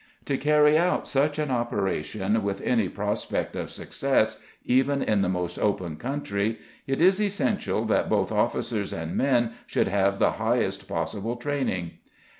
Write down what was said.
To carry out such an operation with any prospect of success, even in the most open country, it is essential that both officers and men should have the highest possible training.